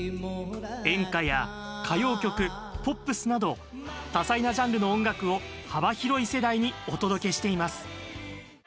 演歌や歌謡曲、ポップスなど多彩なジャンルの音楽を幅広い世代にお届けしています。